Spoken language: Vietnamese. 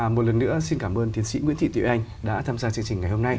một lần nữa xin cảm ơn tiến sĩ nguyễn thị tiệu anh đã tham gia chương trình